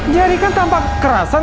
jadi kan tanpa kerasan